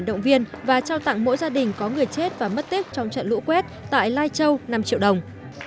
động viên và trao tặng mỗi gia đình có người chết và mất tích trong trận lũ quét tại lai châu năm triệu đồng